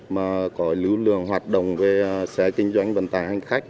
mà có lưu lượng hoạt động về xe kinh doanh vận tải hành khách